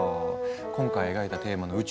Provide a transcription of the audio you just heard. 今回描いたテーマの「宇宙旅行」